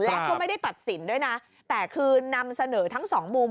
และก็ไม่ได้ตัดสินด้วยนะแต่คือนำเสนอทั้งสองมุม